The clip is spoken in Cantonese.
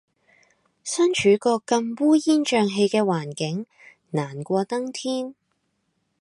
身處個咁烏煙瘴氣嘅環境，難過登天